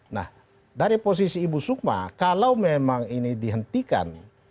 nah dari posisi ibu sukma kalau memang ini dihentikan